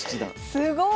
すごい！